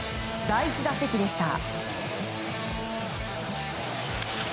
第１打席でした。